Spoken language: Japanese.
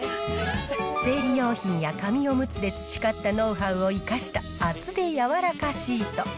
生理用品や紙おむつで培ったノウハウを生かした厚手やわらかシート。